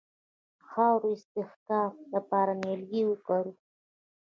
د خاورې د استحکام لپاره نیالګي وکرو.